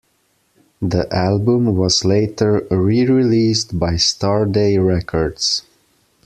The album was later re-released by Starday Records.